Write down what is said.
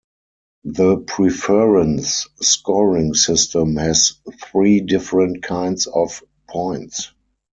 The Preferans scoring system has three different kinds of points.